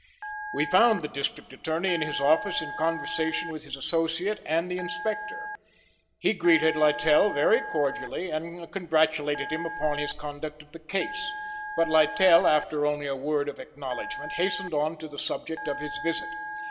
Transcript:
We found the District Attorney in his office in conversation with his associate and the Inspector. He greeted Littell very cordially and congratulated him upon his conduct of his case; but Littell, after only a word of acknowledgment, hastened on to the subject of his visit.